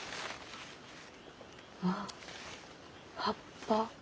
あ葉っぱ？